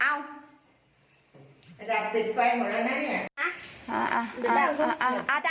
เอา